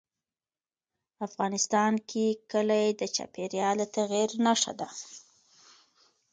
افغانستان کې کلي د چاپېریال د تغیر نښه ده.